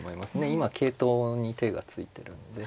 今桂頭に手がついてるんで。